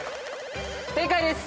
正解です！